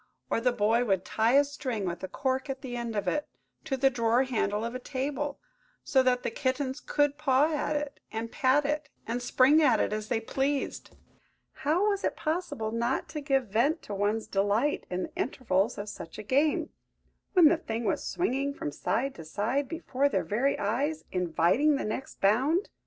Or the boy would tie a string, with a cork at the end of it, to the drawer handle of a table, so that the kittens could paw it, and pat it, and spring at it, as they pleased–how was it possible not to give vent to one's delight in the intervals of such a game, when the thing was swinging from side to side before their very eyes, inviting the next bound?